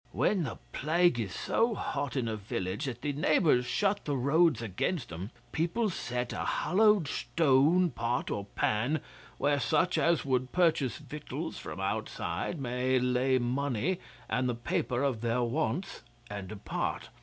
'When the plague is so hot in a village that the neighbours shut the roads against 'em, people set a hollowed stone, pot, or pan, where such as would purchase victual from outside may lay money and the paper of their wants, and depart.